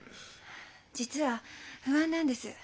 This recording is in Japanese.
実は不安なんです。